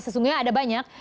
sesungguhnya ada banyak